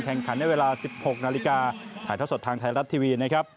แข่งขันได้เวลา๑๖นาฬิกาถ่ายท่าสดทางไทยรัฐทีวี